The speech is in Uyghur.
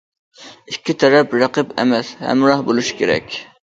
ئىككى تەرەپ رەقىب ئەمەس ھەمراھ بولۇشى كېرەك.